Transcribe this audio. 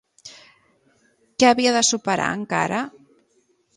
Què havia de superar encara?